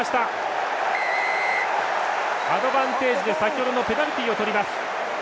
アドバンテージで先ほどのペナルティをとります。